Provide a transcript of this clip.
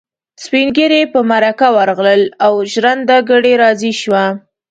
سپين ږيري په مرکه ورغلل او ژرنده ګړی راضي شو.